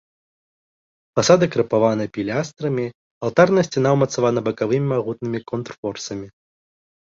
Фасады крапаваны пілястрамі, алтарная сцяна ўмацавана бакавымі магутнымі контрфорсамі.